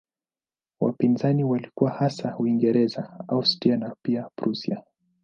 Wapinzani walikuwa hasa Uingereza, Austria na pia Prussia.